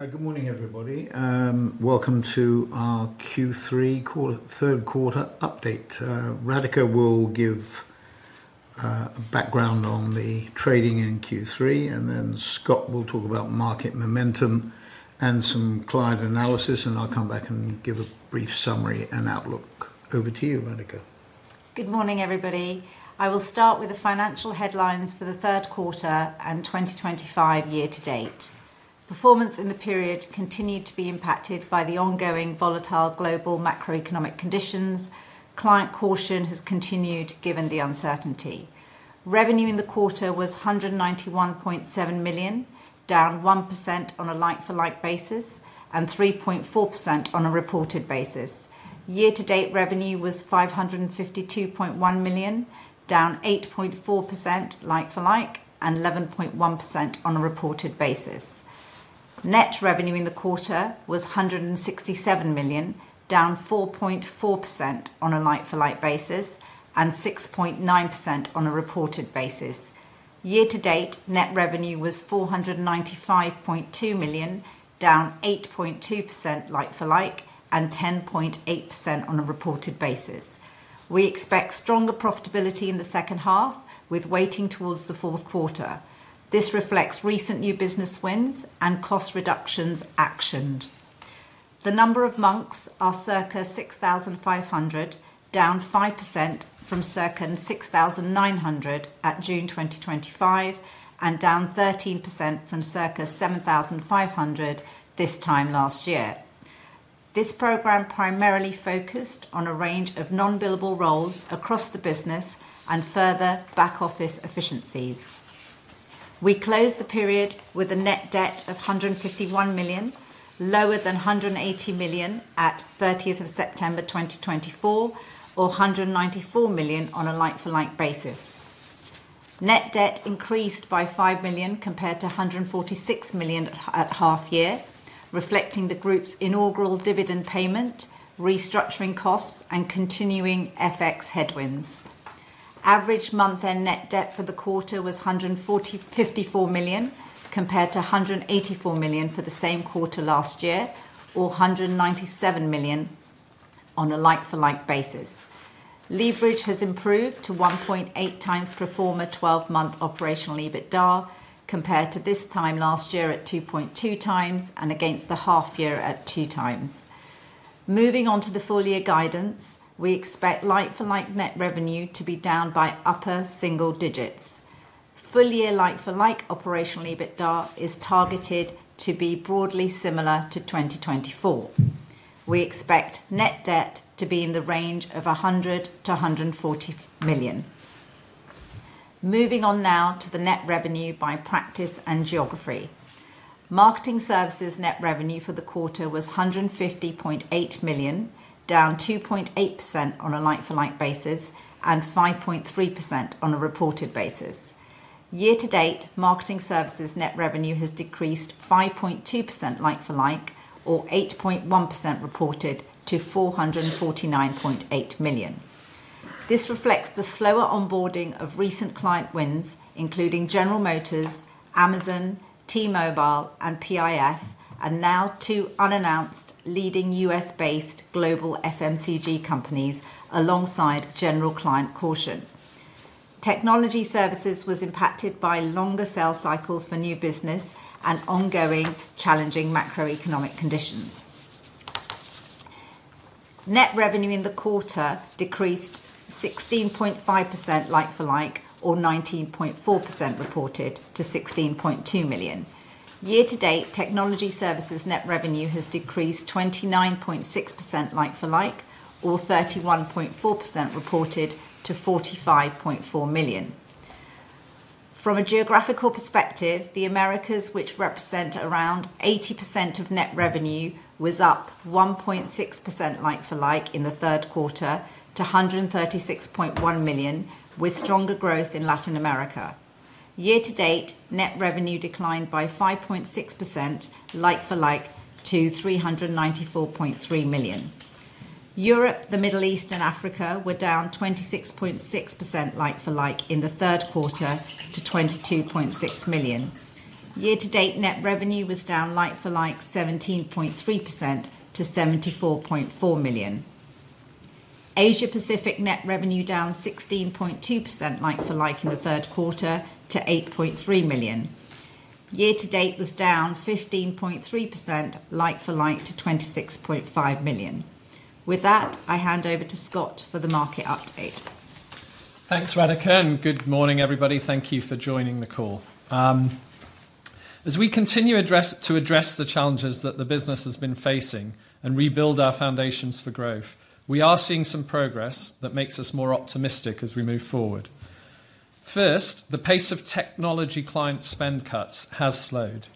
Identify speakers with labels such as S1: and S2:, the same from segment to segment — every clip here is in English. S1: Good morning, everybody. Welcome to our Q3, Third Quarter Update. Radhika will give a background on the trading in Q3, and then Scott will talk about market momentum and some client analysis, and I'll come back and give a brief summary and outlook. Over to you, Radhika.
S2: Good morning, everybody. I will start with the financial headlines for the third quarter and 2025 year-to-date. Performance in the period continued to be impacted by the ongoing volatile global macroeconomic conditions. Client caution has continued given the uncertainty. Revenue in the quarter was 191.7 million, down 1% on a like-for-like basis and 3.4% on a reported basis. Year-to-date revenue was 552.1 million, down 8.4% like-for-like and 11.1% on a reported basis. Net revenue in the quarter was 167 million, down 4.4% on a like-for-like basis and 6.9% on a reported basis. Year-to-date net revenue was 495.2 million, down 8.2% like-for-like and 10.8% on a reported basis. We expect stronger profitability in the second half, with weighting towards the fourth quarter. This reflects recent new business wins and cost reductions actioned. The number of Monks are circa 6,500, down 5% from circa 6,900 at June 2025 and down 13% from circa 7,500 this time last year. This program primarily focused on a range of non-billable roles across the business and further back-office efficiencies. We closed the period with a net debt of 151 million, lower than 180 million at 30 September 2024, or 194 million on a like-for-like basis. Net debt increased by 5 million compared to 146 million at half-year, reflecting the group's inaugural dividend payment, restructuring costs, and continuing FX headwinds. Average month-end net debt for the quarter was 154 million compared to 184 million for the same quarter last year, or 197 million on a like-for-like basis. Leverage has improved to 1.8 times pro forma 12-month operational EBITDA compared to this time last year at 2.2 times and against the half-year at 2 times. Moving on to the full-year guidance, we expect like-for-like net revenue to be down by upper single digits. Full-year like-for-like operational EBITDA is targeted to be broadly similar to 2024. We expect net debt to be in the range of 100-140 million. Moving on now to the net revenue by practice and geography. Marketing services net revenue for the quarter was 150.8 million, down 2.8% on a like-for-like basis and 5.3% on a reported basis. Year-to-date, marketing services net revenue has decreased 5.2% like-for-like, or 8.1% reported, to 449.8 million. This reflects the slower onboarding of recent client wins, including General Motors, Amazon, T-Mobile, and PIF, and now two unannounced leading US-based global FMCG companies alongside general client caution. Technology services was impacted by longer sale cycles for new business and ongoing challenging macroeconomic conditions. Net revenue in the quarter decreased 16.5% like-for-like, or 19.4% reported, to 16.2 million. Year-to-date, Technology Services net revenue has decreased 29.6% like-for-like, or 31.4% reported, to 45.4 million. From a geographical perspective, the Americas, which represent around 80% of net revenue, was up 1.6% like-for-like in the third quarter to 136.1 million, with stronger growth in Latin America. Year-to-date, net revenue declined by 5.6% like-for-like to 394.3 million. Europe, the Middle East, and Africa were down 26.6% like-for-like in the third quarter to 22.6 million. Year-to-date, net revenue was down like-for-like 17.3% to 74.4 million. Asia-Pacific net revenue down 16.2% like-for-like in the third quarter to 8.3 million. Year-to-date was down 15.3% like-for-like to 26.5 million. With that, I hand over to Scott for the market update.
S3: Thanks, Radhika, and good morning, everybody. Thank you for joining the call. As we continue to address the challenges that the business has been facing and rebuild our foundations for growth, we are seeing some progress that makes us more optimistic as we move forward. First, the pace of technology client spend cuts has slowed.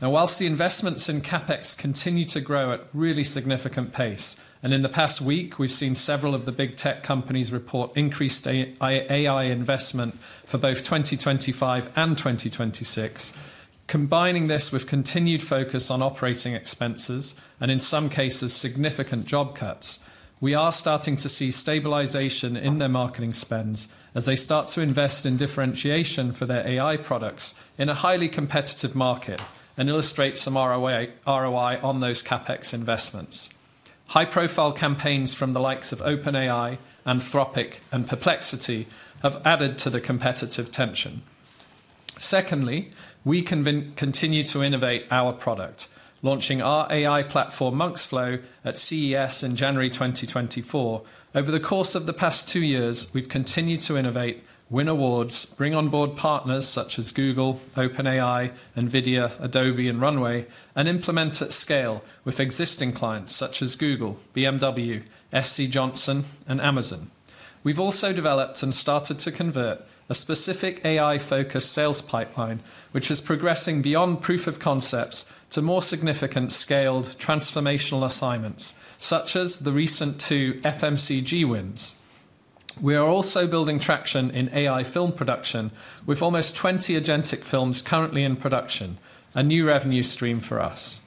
S3: Now, whilst the investments in CapEx continue to grow at really significant pace, and in the past week, we've seen several of the big tech companies report increased AI investment for both 2025 and 2026. Combining this with continued focus on operating expenses and, in some cases, significant job cuts, we are starting to see stabilisation in their marketing spends as they start to invest in differentiation for their AI products in a highly competitive market and illustrate some ROI on those CapEx investments. High-profile campaigns from the likes of OpenAI, Anthropic, and Perplexity have added to the competitive tension. Secondly, we continue to innovate our product, launching our AI platform, Monk's Flow, at CES in January 2024. Over the course of the past two years, we've continued to innovate, win awards, bring on board partners such as Google, OpenAI, NVIDIA, Adobe, and Runway, and implement at scale with existing clients such as Google, BMW, SC Johnson, and Amazon. We've also developed and started to convert a specific AI-focused sales pipeline, which is progressing beyond proof of concepts to more significant scaled transformational assignments, such as the recent two FMCG wins. We are also building traction in AI film production, with almost 20 agentic films currently in production, a new revenue stream for us.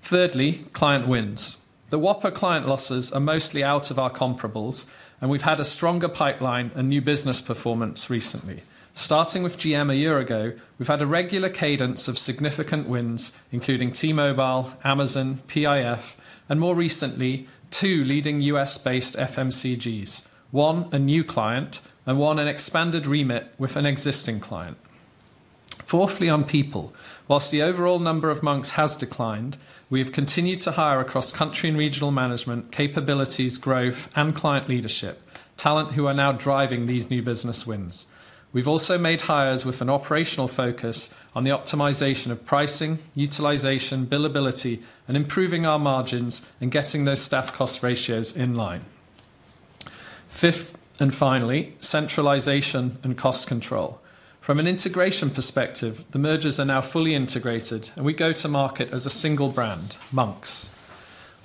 S3: Thirdly, client wins. The Whopper client losses are mostly out of our comparables, and we've had a stronger pipeline and new business performance recently. Starting with General Motors a year ago, we've had a regular cadence of significant wins, including T-Mobile, Amazon, PIF, and more recently, two leading US-based FMCGs, one a new client and one an expanded remit with an existing client. Fourthly, on people. Whilst the overall number of monks has declined, we have continued to hire across country and regional management, capabilities, growth, and client leadership, talent who are now driving these new business wins. We've also made hires with an operational focus on the optimisation of pricing, utilisation, billability, and improving our margins and getting those staff cost ratios in line. Fifth and finally, centralisation and cost control. From an integration perspective, the mergers are now fully integrated, and we go to market as a single brand, Monks.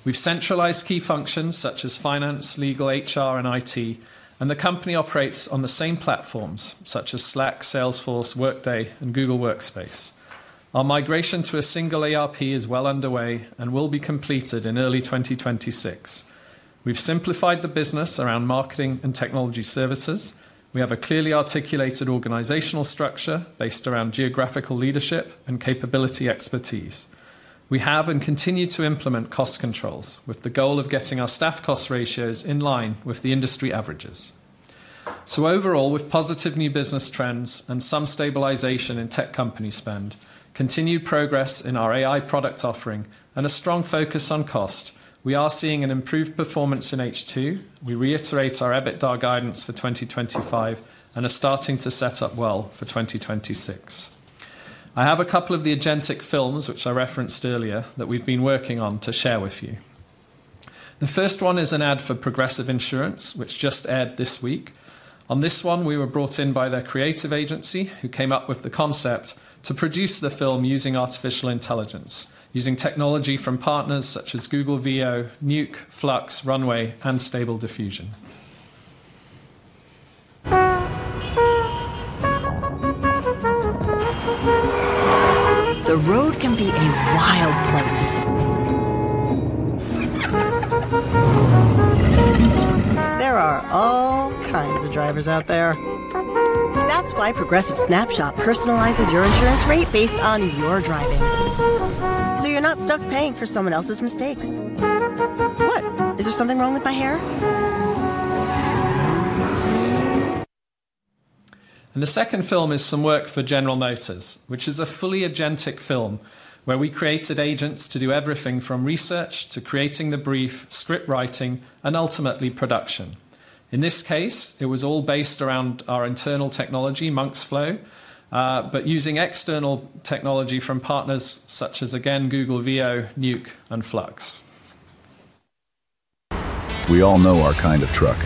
S3: We've centralised key functions such as finance, legal, HR, and IT, and the company operates on the same platforms such as Slack, Salesforce, Workday, and Google Workspace. Our migration to a single ERP is well underway and will be completed in early 2026. We've simplified the business around marketing and technology services. We have a clearly articulated organizational structure based around geographical leadership and capability expertise. We have and continue to implement cost controls with the goal of getting our staff cost ratios in line with the industry averages. Overall, with positive new business trends and some stabilisation in tech company spend, continued progress in our AI product offering, and a strong focus on cost, we are seeing an improved performance in H2. We reiterate our EBITDA guidance for 2025 and are starting to set up well for 2026. I have a couple of the agentic films which I referenced earlier that we've been working on to share with you. The first one is an ad for Progressive Insurance, which just aired this week. On this one, we were brought in by their creative agency, who came up with the concept to produce the film using artificial intelligence, using technology from partners such as Google, VO, Nuke, Flux, Runway, and Stable Diffusion.
S2: The road can be a wild place. There are all kinds of drivers out there. That's why Progressive Snapshot personalizes your insurance rate based on your driving. So you're not stuck paying for someone else's mistakes. What? Is there something wrong with my hair?
S3: The second film is some work for General Motors, which is a fully agentic film where we created agents to do everything from research to creating the brief, script writing, and ultimately production. In this case, it was all based around our internal technology, Monk's Flow, but using external technology from partners such as, again, Google, VO, Nuke, and Flux. We all know our kind of truck.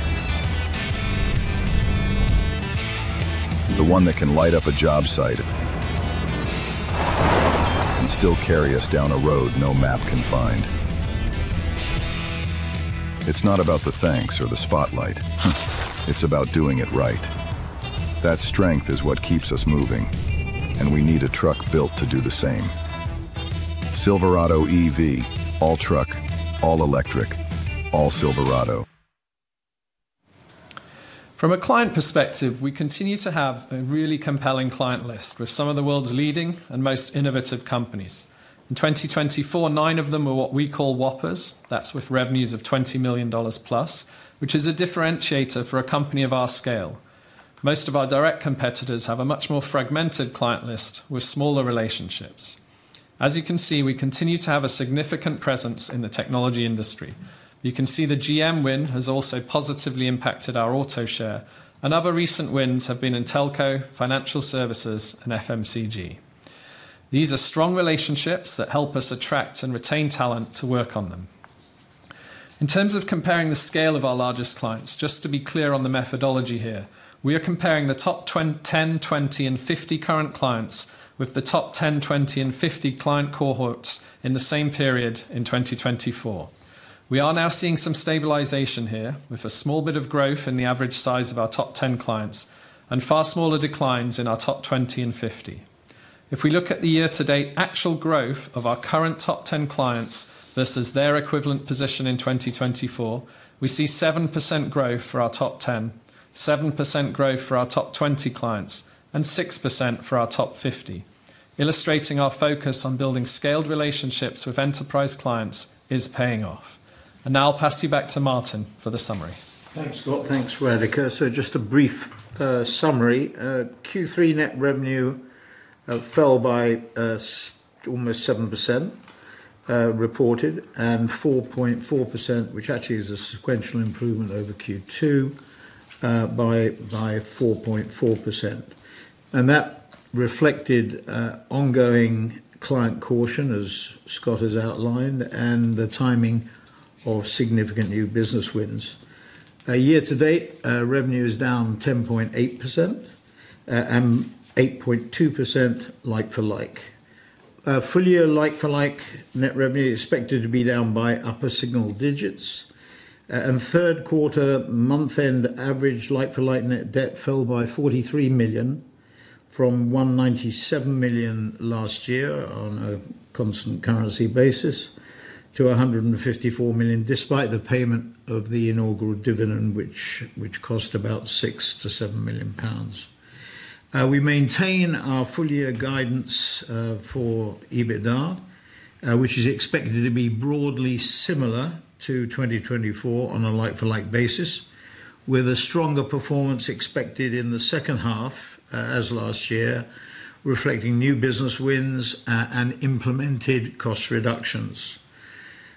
S3: The one that can light up a job site and still carry us down a road no map can find. It is not about the thanks or the spotlight. It is about doing it right. That strength is what keeps us moving, and we need a truck built to do the same. Silverado EV, all truck, all electric, all Silverado. From a client perspective, we continue to have a really compelling client list with some of the world's leading and most innovative companies. In 2024, nine of them were what we call Whoppers. That's with revenues of $20 million plus, which is a differentiator for a company of our scale. Most of our direct competitors have a much more fragmented client list with smaller relationships. As you can see, we continue to have a significant presence in the technology industry. You can see the GM win has also positively impacted our auto share, and other recent wins have been in telco, financial services, and FMCG. These are strong relationships that help us attract and retain talent to work on them. In terms of comparing the scale of our largest clients, just to be clear on the methodology here, we are comparing the top 10, 20, and 50 current clients with the top 10, 20, and 50 client cohorts in the same period in 2024. We are now seeing some stabilisation here with a small bit of growth in the average size of our top 10 clients and far smaller declines in our top 20 and 50. If we look at the year-to-date actual growth of our current top 10 clients versus their equivalent position in 2024, we see 7% growth for our top 10, 7% growth for our top 20 clients, and 6% for our top 50. Illustrating our focus on building scaled relationships with enterprise clients is paying off. I will pass you back to Martin for the summary.
S1: Thanks, Scott. Thanks, Radhika. Just a brief summary. Q3 net revenue fell by almost 7% reported and 4.4%, which actually is a sequential improvement over Q2 by 4.4%. That reflected ongoing client caution, as Scott has outlined, and the timing of significant new business wins. Year-to-date revenue is down 10.8% and 8.2% like-for-like. Fully like-for-like net revenue is expected to be down by upper single digits. Third quarter month-end average like-for-like net debt fell by 43 million, from 197 million last year on a constant currency basis to 154 million, despite the payment of the inaugural dividend, which cost about 6-7 million pounds. We maintain our full-year guidance for EBITDA, which is expected to be broadly similar to 2024 on a like-for-like basis, with a stronger performance expected in the second half as last year, reflecting new business wins and implemented cost reductions.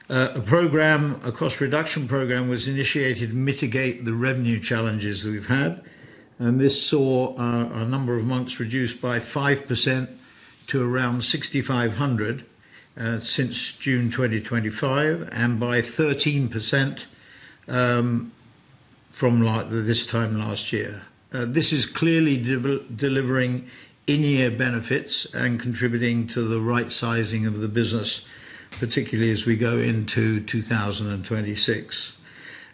S1: A cost reduction program was initiated to mitigate the revenue challenges that we've had, and this saw a number of months reduced by 5% to around 6,500 since June 2025 and by 13% from this time last year. This is clearly delivering in-year benefits and contributing to the right sizing of the business, particularly as we go into 2026.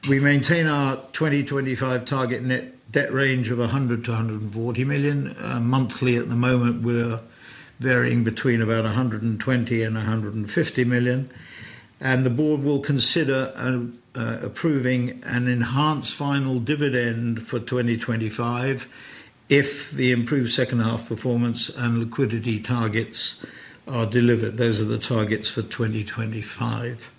S1: We maintain our 2025 target net debt range of 100 million-140 million. Monthly at the moment, we're varying between about 120 million and 150 million. The board will consider approving an enhanced final dividend for 2025 if the improved second-half performance and liquidity targets are delivered. Those are the targets for 2025.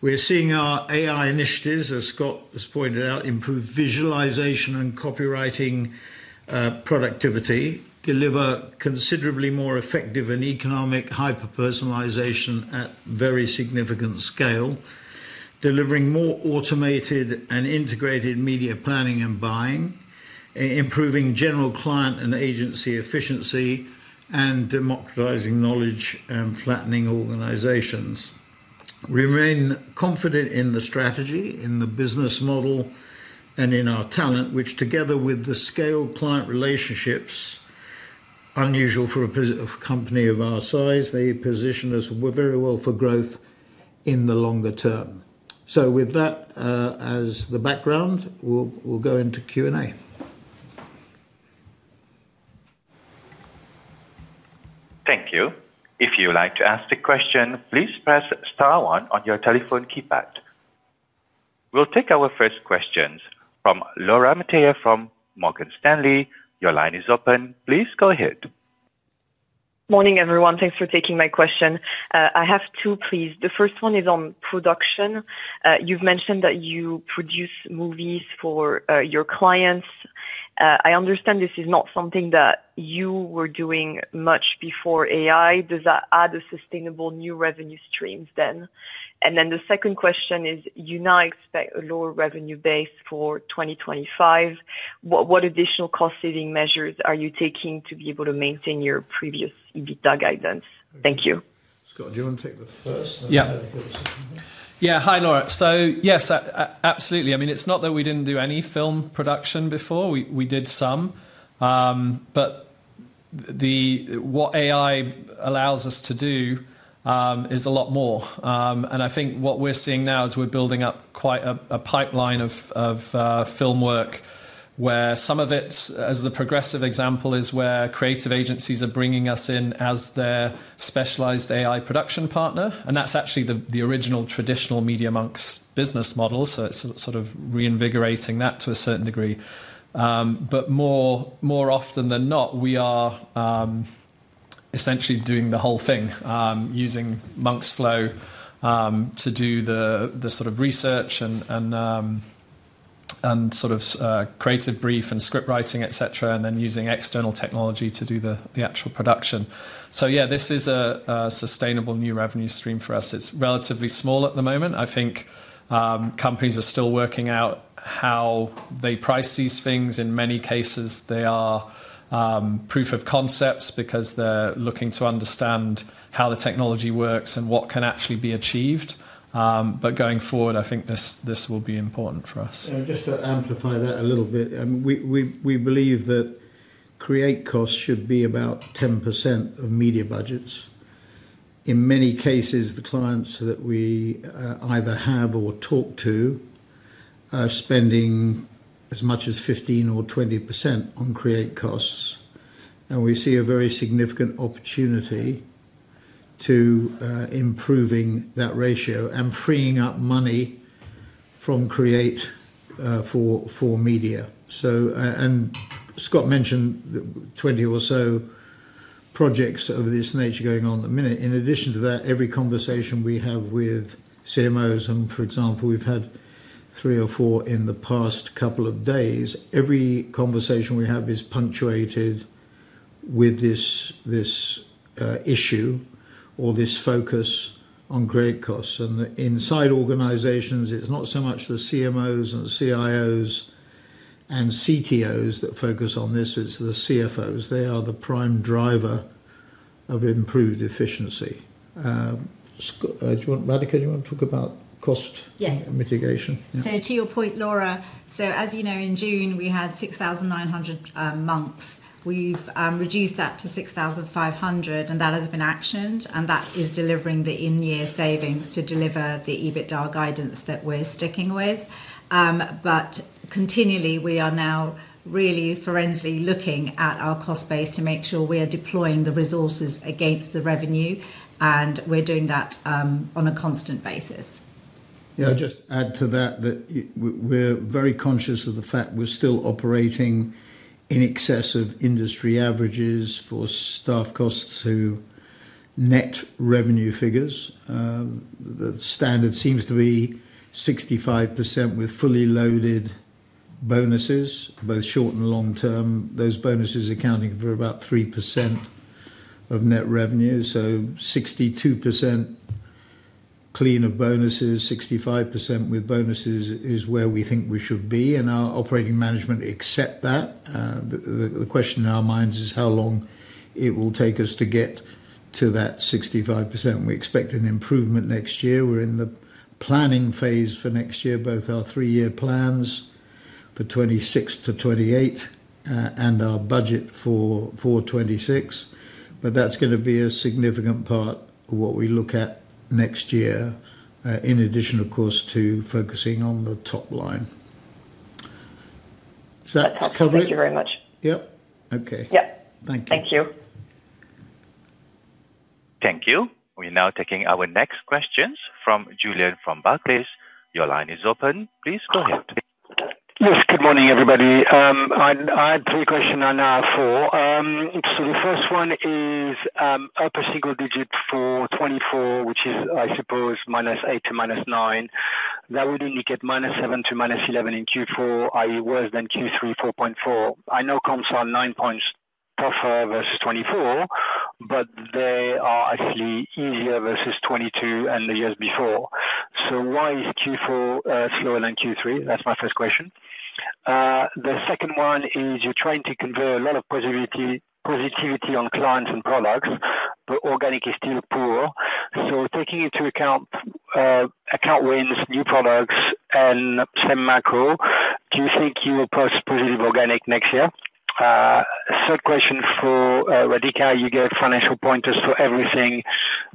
S1: We're seeing our AI initiatives, as Scott has pointed out, improve visualisation and copywriting productivity, deliver considerably more effective and economic hyper-personalisation at very significant scale, delivering more automated and integrated media planning and buying. Improving general client and agency efficiency, and democratising knowledge and flattening organizations. We remain confident in the strategy, in the business model, and in our talent, which together with the scaled client relationships. Unusual for a company of our size, they position us very well for growth in the longer term. With that as the background, we'll go into Q&A.
S4: Thank you. If you'd like to ask a question, please press star one on your telephone keypad. We'll take our first questions from Laura Mateo from Morgan Stanley. Your line is open. Please go ahead.
S5: Morning, everyone. Thanks for taking my question. I have two pleas. The first one is on production. You've mentioned that you produce movies for your clients. I understand this is not something that you were doing much before AI. Does that add a sustainable new revenue stream then? The second question is, you now expect a lower revenue base for 2025. What additional cost-saving measures are you taking to be able to maintain your previous EBITDA guidance? Thank you.
S1: Scott, do you want to take the first?
S3: Yeah. Hi, Laura. Yes, absolutely. I mean, it's not that we didn't do any film production before. We did some. What AI allows us to do is a lot more. I think what we're seeing now is we're building up quite a pipeline of film work, where some of it, as the Progressive example, is where creative agencies are bringing us in as their specialised AI production partner. That's actually the original traditional MediaMonks business model. It's sort of reinvigorating that to a certain degree. More often than not, we are essentially doing the whole thing, using Monk's Flow to do the sort of research and sort of creative brief and script writing, etc., and then using external technology to do the actual production. Yeah, this is a sustainable new revenue stream for us. It's relatively small at the moment. I think. Companies are still working out how they price these things. In many cases, they are proof of concepts because they're looking to understand how the technology works and what can actually be achieved. Going forward, I think this will be important for us.
S1: Just to amplify that a little bit, we believe that create costs should be about 10% of media budgets. In many cases, the clients that we either have or talk to are spending as much as 15% or 20% on create costs. We see a very significant opportunity to improve that ratio and freeing up money from create for media. Scott mentioned 20 or so projects of this nature going on at the minute. In addition to that, every conversation we have with CMOs, for example, we've had three or four in the past couple of days. Every conversation we have is punctuated with this issue or this focus on create costs. Inside organizations, it's not so much the CMOs and CIOs and CTOs that focus on this. It's the CFOs. They are the prime driver of improved efficiency. Radhika, do you want to talk about cost mitigation?
S2: To your point, Laura, as you know, in June, we had 6,900 monks. We've reduced that to 6,500, and that has been actioned. That is delivering the in-year savings to deliver the EBITDA guidance that we're sticking with. Continually, we are now really forensically looking at our cost base to make sure we are deploying the resources against the revenue. We're doing that on a constant basis.
S1: Yeah, I'll just add to that that we're very conscious of the fact we're still operating in excess of industry averages for staff costs. Net revenue figures, the standard seems to be 65% with fully loaded bonuses, both short and long term. Those bonuses accounting for about 3% of net revenue. So 62% clean of bonuses, 65% with bonuses is where we think we should be. And our operating management accept that. The question in our minds is how long it will take us to get to that 65%. We expect an improvement next year. We're in the planning phase for next year, both our three-year plans for 2026-2028 and our budget for 2026. That is going to be a significant part of what we look at next year, in addition, of course, to focusing on the top line. Does that cover it?
S5: Thank you very much.
S1: Yep. Okay.
S5: Yep. Thank you.
S4: Thank you. Thank you. We're now taking our next questions from Julian from Barclays. Your line is open. Please go ahead.
S6: Yes, good morning, everybody. I had three questions on our four. The first one is, upper single digit for 2024, which is, I suppose, minus 8%-minus 9%. That would indicate minus 7% to minus 11% in Q4, i.e., worse than Q3 4.4%. I know comps are 9 percentage points tougher versus 2024, but they are actually easier versus 2022 and the years before. Why is Q4 slower than Q3? That's my first question. The second one is, you're trying to convey a lot of positivity on clients and products, but organic is still poor. Taking into account wins, new products, and same macro, do you think you will post positive organic next year? Third question for Radhika, you gave financial pointers for everything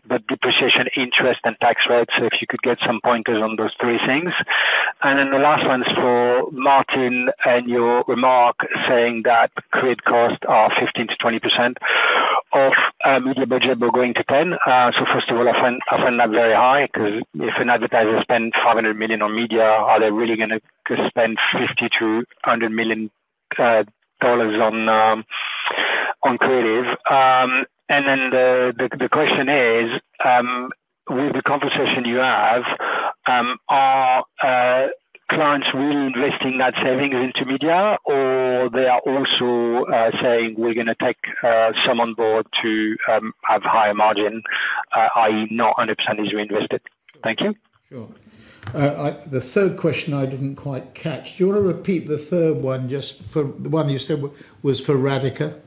S6: but depreciation, interest, and tax rates. If you could get some pointers on those three things. The last one is for Martin and your remark saying that create costs are 15%-20% of media budget, we're going to 10%. First of all, I find that very high because if an advertiser spends $500 million on media, are they really going to spend $50 million-$100 million on creative? The question is, with the conversation you have, are clients really investing that savings into media, or are they also saying, "We're going to take some on board to have higher margin," i.e., not 100% is reinvested? Thank you.
S1: Sure. The third question I did not quite catch. Do you want to repeat the third one just for the one you said was for Radhika?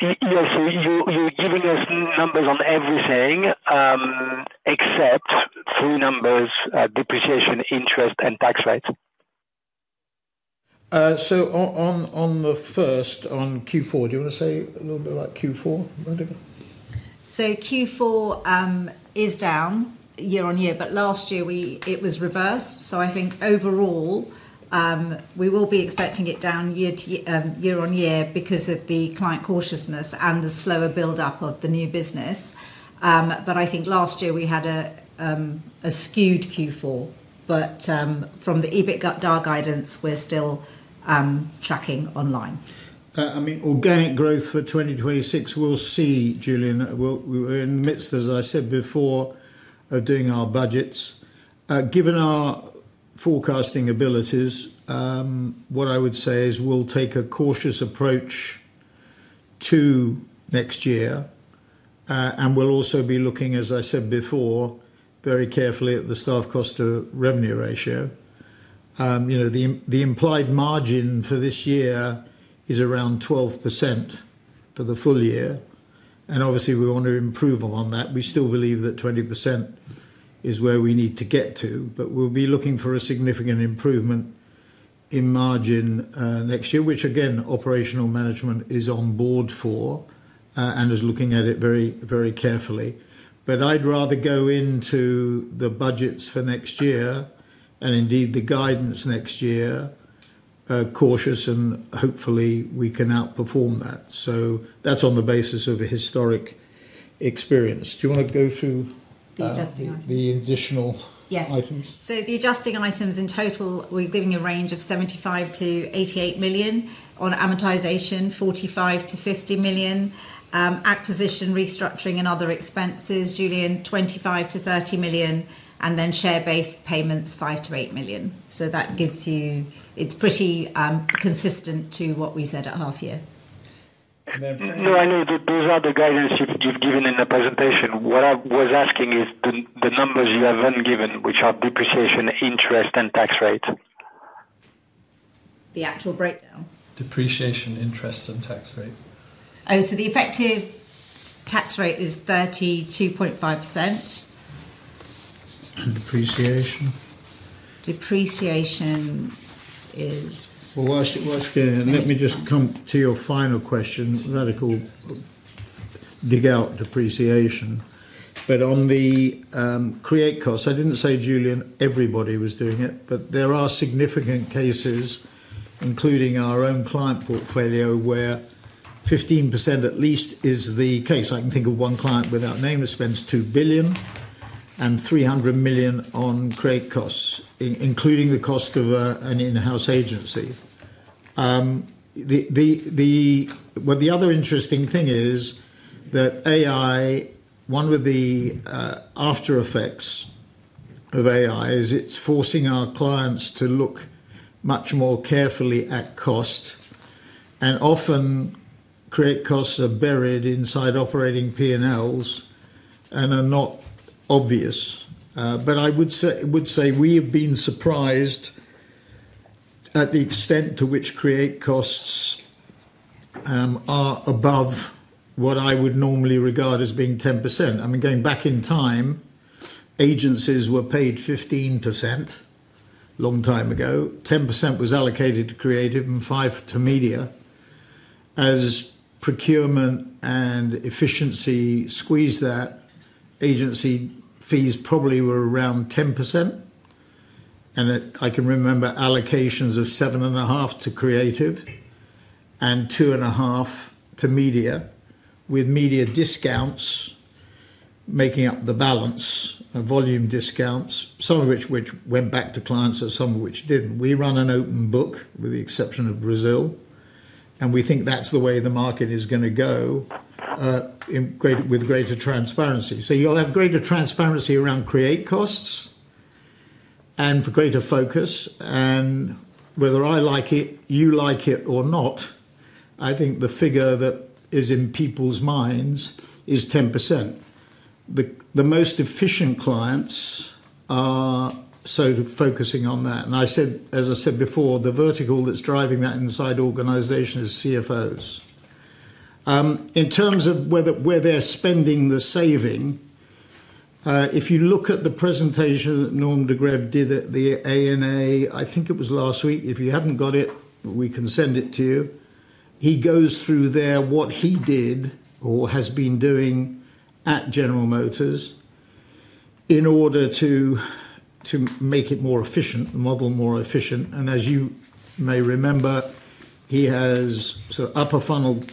S6: Yes. You've given us numbers on everything except three numbers: depreciation, interest, and tax rates.
S1: On the first, on Q4, do you want to say a little bit about Q4, Radhika?
S2: Q4 is down year-on-year, but last year it was reversed. I think overall we will be expecting it down year-on-year because of the client cautiousness and the slower build-up of the new business. I think last year we had a skewed Q4. From the EBITDA guidance, we're still tracking online.
S1: I mean, organic growth for 2026, we'll see, Julian. We're in the midst of, as I said before, of doing our budgets. Given our forecasting abilities. What I would say is we'll take a cautious approach to next year. And we'll also be looking, as I said before, very carefully at the staff cost to revenue ratio. The implied margin for this year is around 12% for the full year. Obviously, we want to improve on that. We still believe that 20% is where we need to get to, but we'll be looking for a significant improvement in margin next year, which again, operational management is on board for and is looking at it very carefully. I'd rather go into the budgets for next year and indeed the guidance next year cautious, and hopefully we can outperform that. That's on the basis of a historic experience. Do you want to go through?
S2: The adjusting items?
S1: The additional items?
S2: Yes. The adjusting items in total, we are giving a range of 75 million-88 million on amortization, 45 million-50 million. Acquisition, restructuring, and other expenses, Julian, 25 million-30 million, and then share-based payments, 5 million-8 million. That gives you, it is pretty consistent to what we said at half year.
S6: No, I know that those are the guidance you've given in the presentation. What I was asking is the numbers you have then given, which are depreciation, interest, and tax rate.
S2: The actual breakdown.
S1: Depreciation, interest, and tax rate.
S2: Oh, so the effective tax rate is 32.5%.
S1: And depreciation?
S2: Depreciation.
S1: Let me just come to your final question, Radhika. Dig out depreciation. On the create costs, I did not say, Julian, everybody was doing it, but there are significant cases, including our own client portfolio, where 15% at least is the case. I can think of one client without name that spends $2 billion and $300 million on create costs, including the cost of an in-house agency. The other interesting thing is that AI, one of the after-effects of AI is it is forcing our clients to look much more carefully at cost. Often, create costs are buried inside operating P&Ls and are not obvious. I would say we have been surprised at the extent to which create costs are above what I would normally regard as being 10%. I mean, going back in time, agencies were paid 15% a long time ago. 10% was allocated to creative and 5% to media. As procurement and efficiency squeezed that. Agency fees probably were around 10%. I can remember allocations of 7.5% to creative and 2.5% to media, with media discounts making up the balance, volume discounts, some of which went back to clients and some of which did not. We run an open book with the exception of Brazil, and we think that is the way the market is going to go, with greater transparency. You will have greater transparency around create costs and for greater focus. Whether I like it, you like it, or not, I think the figure that is in people's minds is 10%. The most efficient clients are sort of focusing on that. As I said before, the vertical that is driving that inside organization is CFOs in terms of where they are spending the saving. If you look at the presentation that Norm de Greve did at the ANA, I think it was last week. If you haven't got it, we can send it to you. He goes through there what he did or has been doing at General Motors. In order to make it more efficient, the model more efficient. And as you may remember, he has sort of upper-funnel,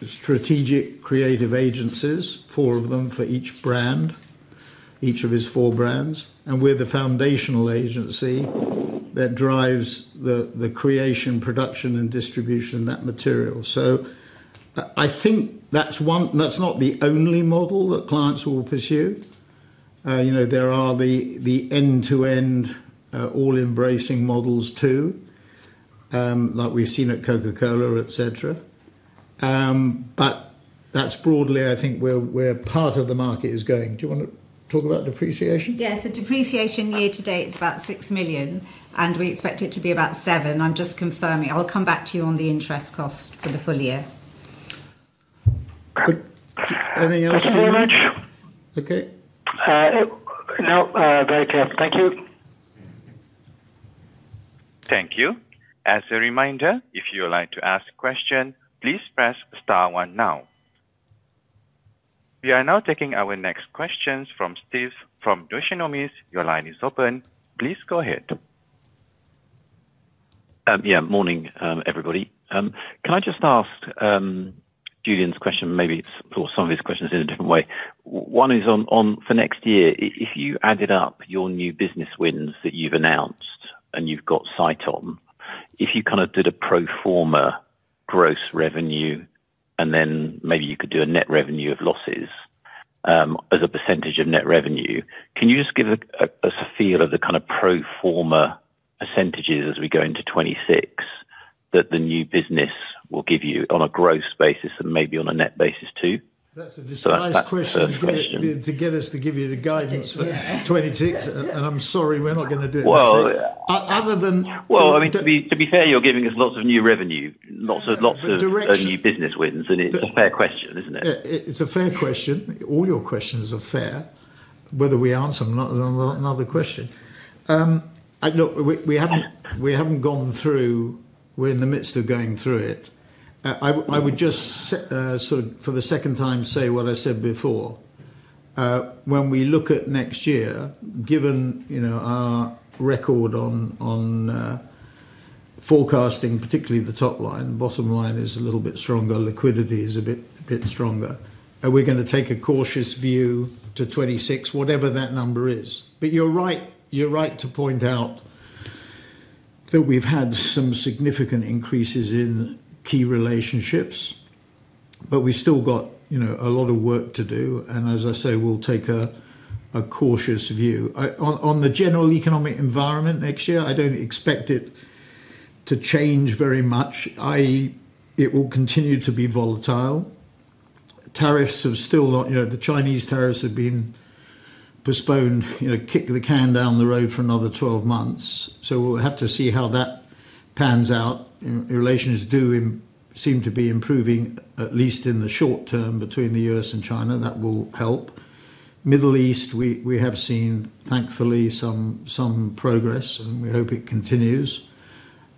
S1: strategic creative agencies, four of them for each brand, each of his four brands. And we're the foundational agency that drives the creation, production, and distribution of that material. I think that's not the only model that clients will pursue. There are the end-to-end, all-embracing models too, like we've seen at Coca-Cola, etc. That is broadly, I think, where part of the market is going. Do you want to talk about depreciation?
S2: Yeah. Depreciation year to date is about $6 million. We expect it to be about $7 million. I'm just confirming. I'll come back to you on the interest cost for the full year.
S1: Anything else? Very much. Okay.
S6: No, Radhika, thank you.
S4: Thank you. As a reminder, if you would like to ask a question, please press star one now. We are now taking our next questions from Steve from Oppenheimer. Your line is open. Please go ahead.
S7: Yeah. Morning, everybody. Can I just ask. Julian's question, maybe some of his questions in a different way? One is for next year. If you added up your new business wins that you've announced and you've got sight on, if you kind of did a pro forma gross revenue, and then maybe you could do a net revenue of losses. As a percentage of net revenue, can you just give us a feel of the kind of pro forma percentages as we go into 2026 that the new business will give you on a gross basis and maybe on a net basis too?
S1: That's a disguised question to get us to give you the guidance for 2026. I'm sorry, we're not going to do it. Other than.
S7: I mean, to be fair, you're giving us lots of new revenue, lots of new business wins. And it's a fair question, isn't it?
S1: It's a fair question. All your questions are fair. Whether we answer them is another question. Look, we haven't gone through. We're in the midst of going through it. I would just, sort of for the second time, say what I said before. When we look at next year, given our record on forecasting, particularly the top line, the bottom line is a little bit stronger, liquidity is a bit stronger. We're going to take a cautious view to 2026, whatever that number is. You're right to point out that we've had some significant increases in key relationships. We've still got a lot of work to do. As I say, we'll take a cautious view. On the general economic environment next year, I don't expect it to change very much. It will continue to be volatile. Tariffs have still not, the Chinese tariffs have been. Postponed, kicked the can down the road for another 12 months. We will have to see how that pans out. Relations do seem to be improving, at least in the short term, between the U.S. and China. That will help. Middle East, we have seen, thankfully, some progress, and we hope it continues.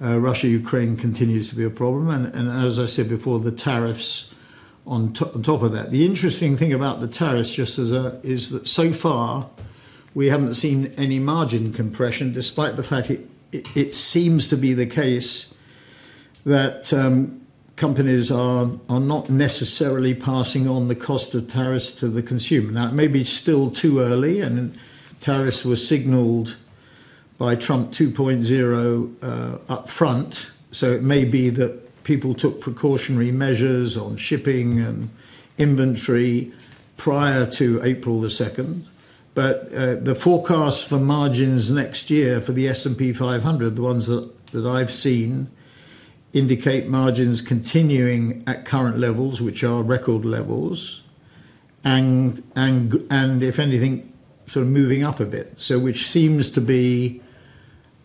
S1: Russia-Ukraine continues to be a problem. As I said before, the tariffs on top of that. The interesting thing about the tariffs is that so far, we have not seen any margin compression, despite the fact it seems to be the case. Companies are not necessarily passing on the cost of tariffs to the consumer. Now, it may be still too early, and tariffs were signaled by Trump 2.0 upfront. It may be that people took precautionary measures on shipping and inventory prior to April 2, 2024. The forecast for margins next year for the S&P 500, the ones that I've seen, indicate margins continuing at current levels, which are record levels. If anything, sort of moving up a bit, which seems to be.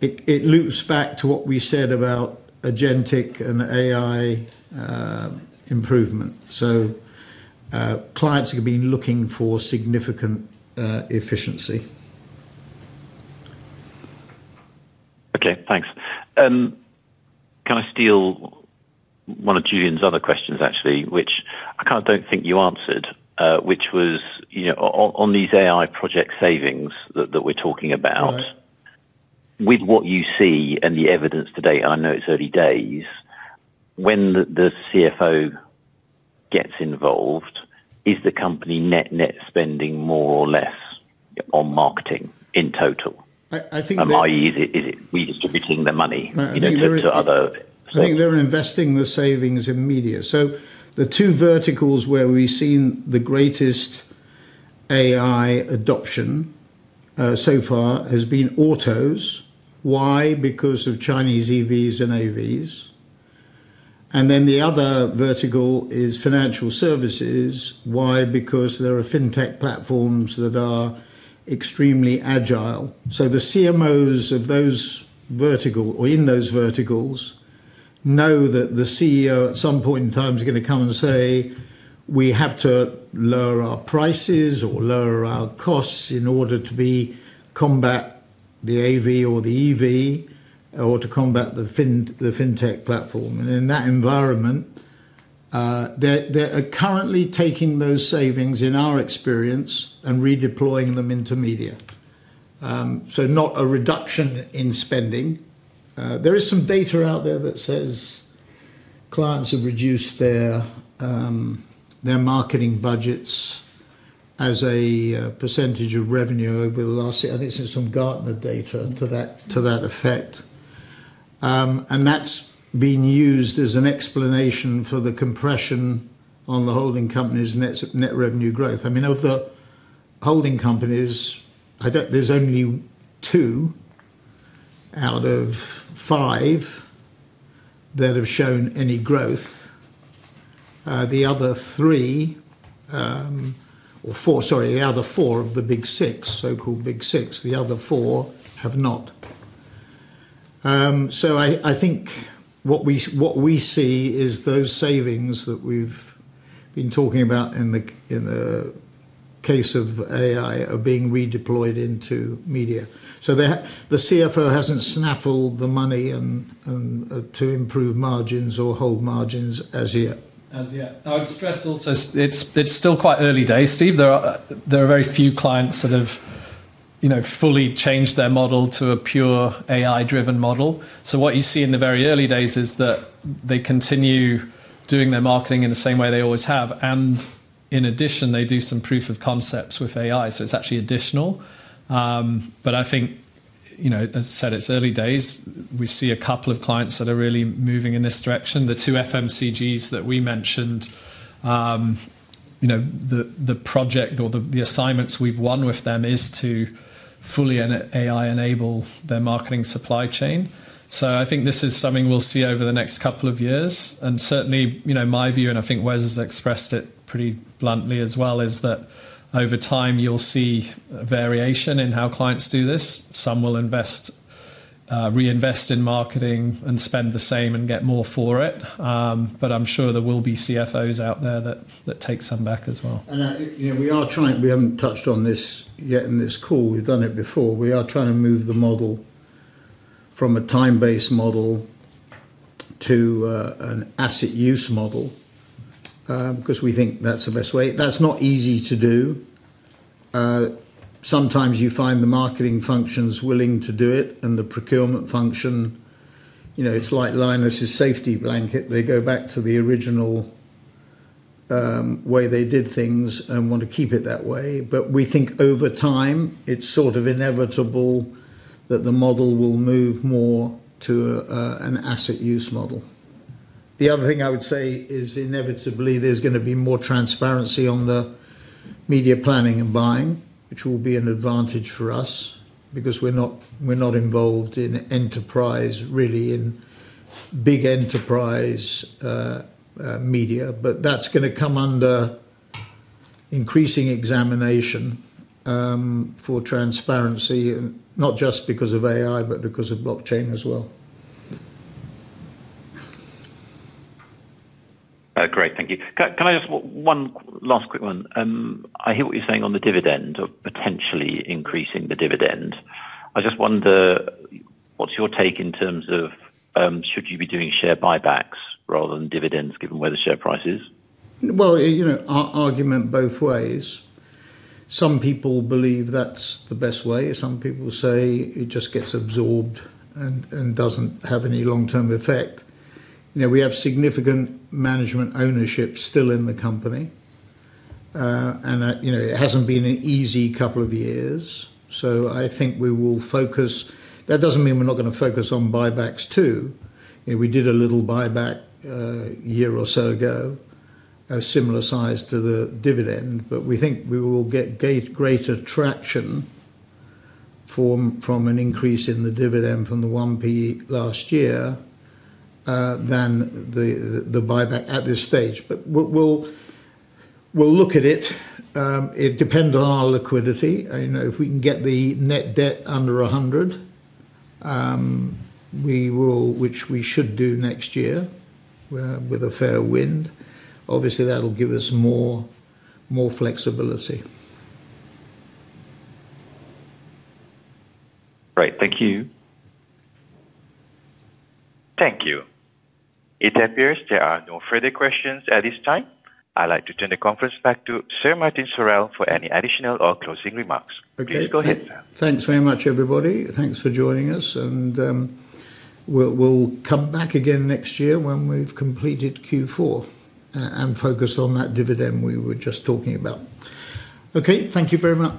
S1: It loops back to what we said about agentic and AI improvement. Clients are going to be looking for significant efficiency.
S7: Okay. Thanks. Can I steal one of Julian's other questions, actually, which I kind of don't think you answered, which was on these AI project savings that we're talking about. With what you see and the evidence today, and I know it's early days. When the CFO gets involved, is the company net spending more or less on marketing in total?
S1: I think.
S7: I.e., is it redistributing their money to other?
S1: I think they're investing the savings in media. The two verticals where we've seen the greatest AI adoption so far have been autos. Why? Because of Chinese EVs and AVs. The other vertical is financial services. Why? Because there are fintech platforms that are extremely agile. The CMOs of those verticals, or in those verticals, know that the CEO at some point in time is going to come and say, "We have to lower our prices or lower our costs in order to combat the AV or the EV, or to combat the fintech platform." In that environment, they're currently taking those savings, in our experience, and redeploying them into media. Not a reduction in spending. There is some data out there that says clients have reduced their marketing budgets as a percentage of revenue over the last year. I think it's some Gartner data to that effect. That's been used as an explanation for the compression on the holding companies' net revenue growth. I mean, of the holding companies, there's only two out of five that have shown any growth. The other three, or four, sorry, the other four of the big six, so-called big six, the other four have not. I think what we see is those savings that we've been talking about in the case of AI are being redeployed into media. The CFO hasn't snaffled the money to improve margins or hold margins as yet. As yet. I would stress also, it's still quite early days, Steve. There are very few clients that have fully changed their model to a pure AI-driven model. What you see in the very early days is that they continue doing their marketing in the same way they always have. In addition, they do some proof of concepts with AI. It is actually additional. I think, as I said, it is early days. We see a couple of clients that are really moving in this direction. The two FMCGs that we mentioned, the project or the assignments we have won with them is to fully AI-enable their marketing supply chain. I think this is something we will see over the next couple of years. Certainly, my view, and I think Wes has expressed it pretty bluntly as well, is that over time, you will see variation in how clients do this. Some will reinvest in marketing and spend the same and get more for it. I'm sure there will be CFOs out there that take some back as well. We are trying—we haven't touched on this yet in this call. We've done it before. We are trying to move the model from a time-based model to an asset use model because we think that's the best way. That's not easy to do. Sometimes you find the marketing function's willing to do it, and the procurement function. It's like Linus's safety blanket. They go back to the original way they did things and want to keep it that way. We think over time, it's sort of inevitable that the model will move more to an asset use model. The other thing I would say is inevitably there's going to be more transparency on the media planning and buying, which will be an advantage for us because we're not involved in enterprise, really, in. Big enterprise. Media. That is going to come under increasing examination for transparency, not just because of AI, but because of blockchain as well.
S7: Great. Thank you. Can I just—one last quick one. I hear what you're saying on the dividend or potentially increasing the dividend. I just wonder, what's your take in terms of. Should you be doing share buybacks rather than dividends, given where the share price is?
S1: Our argument both ways. Some people believe that's the best way. Some people say it just gets absorbed and doesn't have any long-term effect. We have significant management ownership still in the company. It hasn't been an easy couple of years. I think we will focus—that doesn't mean we're not going to focus on buybacks too. We did a little buyback a year or so ago, similar size to the dividend. We think we will get greater traction from an increase in the dividend from the 1p last year than the buyback at this stage. We'll look at it. It depends on our liquidity. If we can get the net debt under 100 million, which we should do next year with a fair wind, obviously, that'll give us more flexibility.
S3: Great. Thank you. Thank you. It appears there are no further questions at this time. I'd like to turn the conference back to Sir Martin Sorrell for any additional or closing remarks. Please go ahead.
S1: Thanks very much, everybody. Thanks for joining us. We'll come back again next year when we've completed Q4 and focused on that dividend we were just talking about. Okay. Thank you very much.